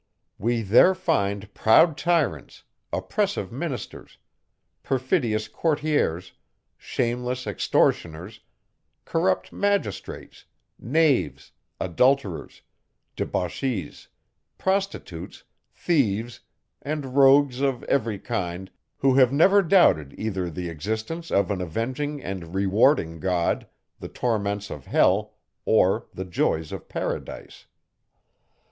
We there find proud tyrants, oppressive ministers, perfidious courtiers, shameless extortioners, corrupt magistrates, knaves, adulterers, debauchees, prostitutes, thieves, and rogues of every kind, who have never doubted either the existence of an avenging and rewarding God, the torments of hell, or the joys of paradise.